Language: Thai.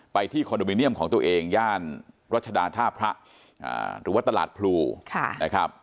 ที่คอนโดมิเนียมของตัวเองย่านรัชดาท่าพระหรือว่าตลาดพลูนะครับ